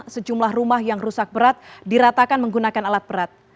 sejumlah rumah yang rusak berat diratakan menggunakan alat berat